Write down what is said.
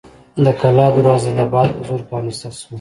د کلا دروازه د باد په زور پرانیستل شوه.